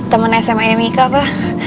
temen sma mika pa